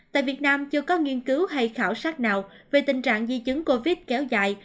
tại việt nam chưa có nghiên cứu hay khảo sát nào về tình trạng di chứng covid kéo dài